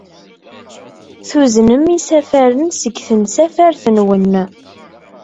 Tuznem isafaren seg tensafart-nwen.